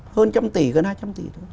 hơn trăm tỷ gần hai trăm tỷ thôi